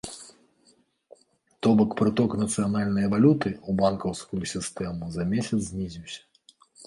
То бок прыток нацыянальнай валюты ў банкаўскую сістэму за месяц знізіўся.